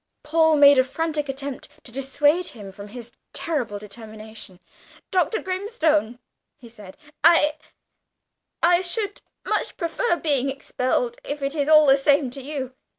Paul made a frantic attempt to dissuade him from his terrible determination. "Dr. Grimstone," he said, "I I should much prefer being expelled, if it is all the same to you."